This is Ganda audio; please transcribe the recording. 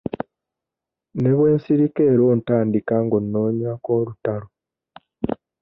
Ne bwe nsirika era ontandika ng'onnoonyaako olutalo.